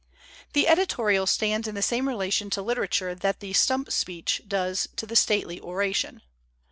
The editorial stands in the same relation to literature that the stump speech does to the stately oration.